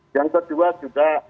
yang kedua juga